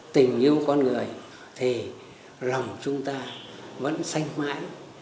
tình yêu con người thì lòng chúng ta vẫn xanh mãi